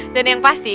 dan yang pasti